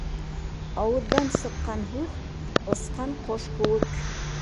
Ауыҙҙан сыҡҡан һүҙ осҡан ҡош кеүек.